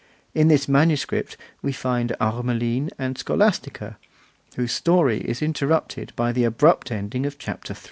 In this manuscript we find Armeline and Scolastica, whose story is interrupted by the abrupt ending of Chapter III.